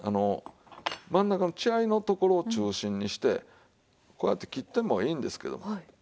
真ん中の血合いのところを中心にしてこうやって切ってもいいんですけども。